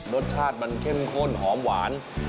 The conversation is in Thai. รสชาติมันเข้มข้นหอมหวาน